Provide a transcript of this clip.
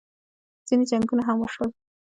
ځینې جنګونه هم وشول